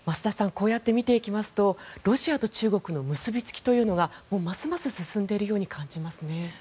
こうやって見ていきますとロシアと中国の結びつきというのがますます進んでいるように感じますね。